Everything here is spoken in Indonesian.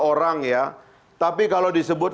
orang ya tapi kalau disebut